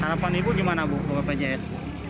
harapan ibu gimana bu ke bpjs